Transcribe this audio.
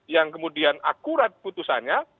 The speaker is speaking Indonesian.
yang kemudian akurat putusannya